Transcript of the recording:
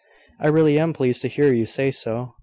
"I really am pleased to hear you say so.